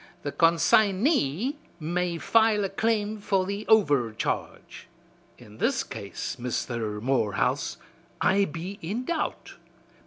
The con sign ey may file a claim for the overcharge.' In this case, Misther Morehouse, I be in doubt.